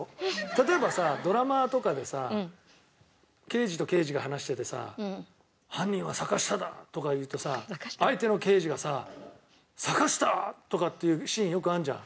例えばさドラマとかでさ刑事と刑事が話しててさ「犯人は坂下だ！」とか言うとさ相手の刑事がさ「坂下！？」とかって言うシーンよくあるじゃん。